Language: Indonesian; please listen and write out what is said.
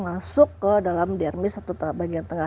masuk ke dalam dermis atau bagian tengah